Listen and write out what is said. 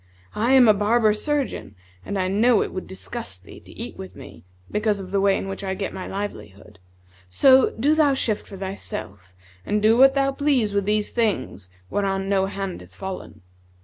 I am a barber surgeon, and I know it would disgust thee to eat with me' because of the way in which I get my livelihood;[FN#150] so do thou shift for thyself and do what thou please with these things whereon no hand hath fallen.'